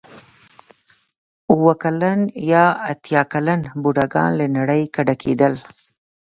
اوه کلن یا اتیا کلن بوډاګان له نړۍ کډه کېدل.